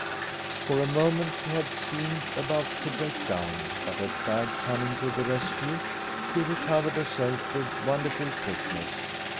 For a moment she had seemed about to break down, but her pride coming to the rescue, she recovered herself with wonderful quickness.